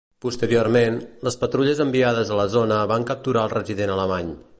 Posteriorment, les patrulles enviades a la zona van capturar al resident alemany.